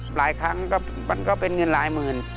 หลายครั้งมันก็เป็นเงินหลายหมื่น